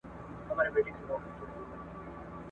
په خونه را شریک به مو پیریان او بلا نه وي ..